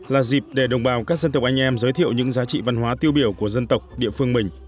là dịp để đồng bào các dân tộc anh em giới thiệu những giá trị văn hóa tiêu biểu của dân tộc địa phương mình